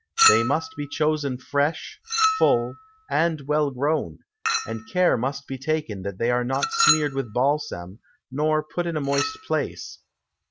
They must be chosen fresh, full, and well grown, and care must be taken that they are not smeared with Balsam, nor put in a moist Place.